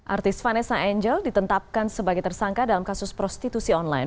artis vanessa angel ditetapkan sebagai tersangka dalam kasus prostitusi online